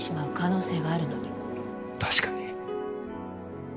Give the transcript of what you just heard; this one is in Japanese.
確かに。